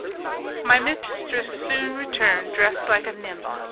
My mistress soon returned, dressed like a nymph.